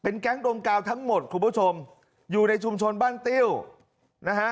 แก๊งดมกาวทั้งหมดคุณผู้ชมอยู่ในชุมชนบ้านติ้วนะฮะ